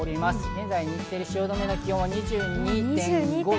現在、日テレ汐留の気温は２２．５度。